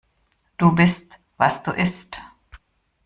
Du bist, was du isst.